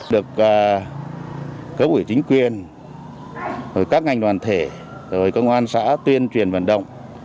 được cơ quỷ chính quyền các ngành đoàn thể công an xã tuyên truyền vận động